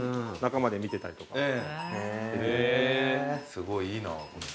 すごいいいな。